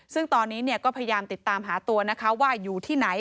ซึ่งตอนนี้ก็พยายามติดตามหาตัวนะคะว่าอยู่ที่ไหน